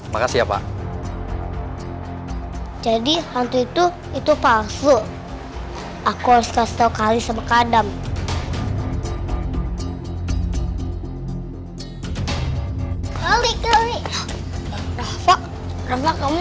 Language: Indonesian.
makasih apa jadi hantu itu itu palsu aku suka sekali sama kadang kali kali rafa rafa kamu